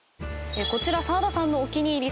こちら澤田さんのお気に入り